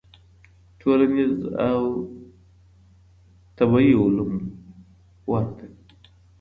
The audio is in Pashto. ټولنيز او طبيعي علوم ورته دي.